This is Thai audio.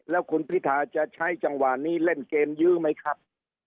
แล้วคุณพิทาจะใช้จังหวะนี้เล่นเกมยื้อไหมครับ